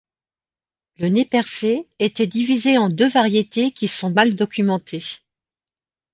Le nez-percé était divisé en deux variétés qui sont mal documentées.